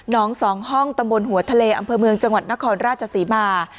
สองห้องตำบลหัวทะเลอำเภอเมืองจังหวัดนครราชศรีมา